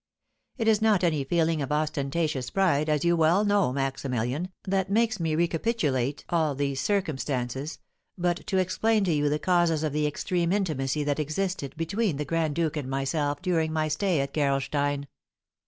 It is not any feeling of ostentatious pride, as you well know, Maximilian, that makes me recapitulate all these circumstances, but to explain to you the causes of the extreme intimacy that existed between the grand duke and myself during my stay at Gerolstein.